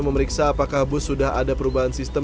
memeriksa apakah bus sudah ada perubahan sistem